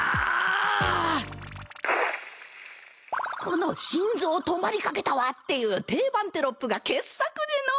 この「心臓止まりかけたわ」っていう定番テロップが傑作でのう。